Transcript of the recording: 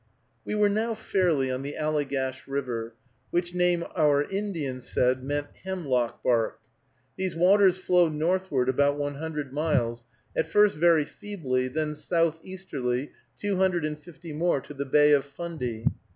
We were now fairly on the Allegash River, which name our Indian said meant hemlock bark. These waters flow northward about one hundred miles, at first very feebly, then southeasterly two hundred and fifty more to the Bay of Fundy.